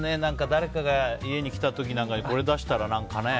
誰かが家に来たときなんかにこれ出したらね。